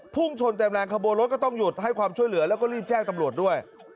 พุ่งชนเต็มแรงขบวนรถก็ต้องหยุดให้ความช่วยเหลือแล้วก็รีบแจ้งตำรวจด้วย